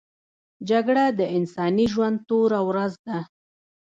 جګړه د انساني ژوند توره ورځ ده